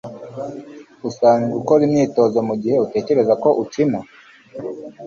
Usanzwe ukora imyitozo mugihe utekereza ko ukina